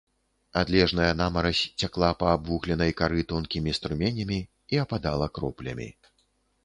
Адлежная намаразь цякла па абвугленай кары тонкімі струменямі і ападала кроплямі.